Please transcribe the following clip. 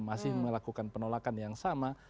masih melakukan penolakan yang sama